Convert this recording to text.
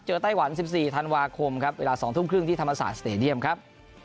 เจอไต้หวันสิบสี่ธันวาคมครับเวลาสองทุ่มครึ่งที่ธรรมสาธิตส์สเตรเดียมครับ